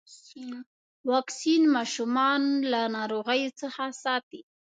واکسین ماشومان له ناروغيو څخه ساتي.